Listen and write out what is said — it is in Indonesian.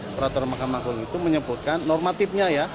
peraturan mahkamah agung itu menyebutkan normatifnya ya